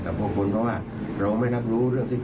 และก็ไม่ได้ยัดเยียดให้ทางครูส้มเซ็นสัญญา